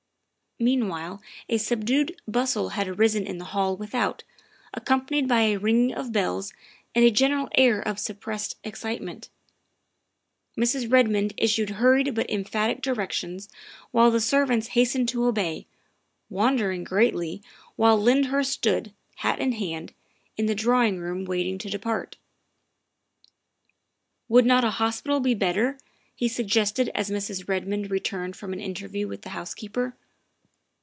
Meanwhile a subdued bustle had arisen in the hall without, accompanied by a ringing of bells and a gen eral air of suppressed excitement. Mrs. Redmond issued THE SECRETARY OF STATE 255 hurried but emphatic directions which the servants has tened to obey, wondering greatly, while Lyndhurst stood, hat in hand, in the drawing room waiting to depart. " Would not a hospital be better?" he suggested as Mrs. Redmond turned from an interview with the house keeper.